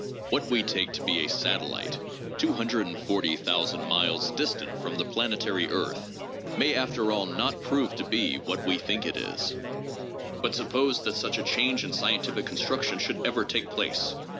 What we take to be a satellite, 240,000 miles distant from the planetary earth, may after all not prove to be what we think it is. But suppose that such a change in scientific construction should ever take place?